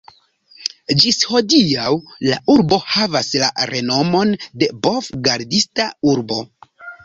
Ĝis hodiaŭ la urbo havas la renomon de "bov-gardista urbo".